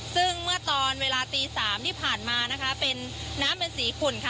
ซึ่งเมื่อตอนเวลาตี๓ที่ผ่านมานะคะเป็นน้ำเป็นสีขุ่นค่ะ